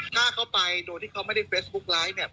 ฆ่าเขาไปโดดิเขาไม่ได้เวยส์บุ๊คไลท์เนี่ย